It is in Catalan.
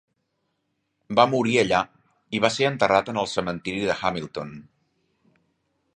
Va morir allà, i va ser enterrat en el cementiri de Hamilton.